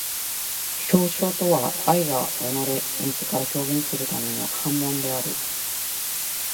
表象とは愛が己れ自ら表現するための煩悶である。